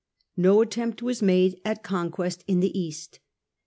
No attempt was made at conquest in the East.